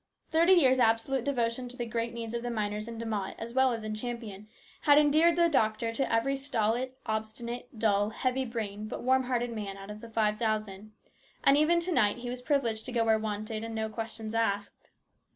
Thirty years' absolute devotion to the great needs of the miners in De Mott as well as in Champion had endeared the doctor to every stolid, obstinate, dull, heavy brained but warm hearted man out of the five thousand, and even to night he was privileged to go where wanted and no questions asked.